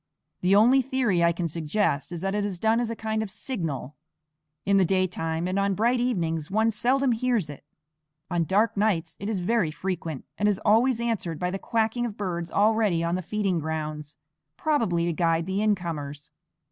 The only theory I can suggest is that it is done as a kind of signal. In the daytime and on bright evenings one seldom hears it; on dark nights it is very frequent, and is always answered by the quacking of birds already on the feeding grounds, probably to guide the incomers.